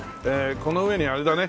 この上にあれだね